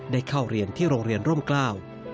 ได้เข้าเรียนที่โรงเรียนร่มกล้า